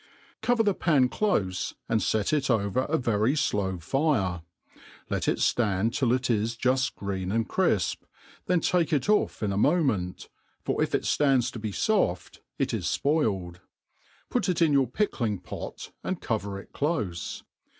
Cover the pan clofc, and fet.it over a very il)W fiire ; let it iland till it is juft green and crifp ; then tak^ ^ it off in a moment, for if it flands to be foft it is fpoiled ; put it in your pickling pot, and cover it clofe.